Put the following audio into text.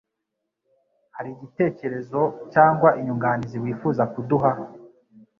hari igitekerezo cyangwa inyunganizi wifuza kuduha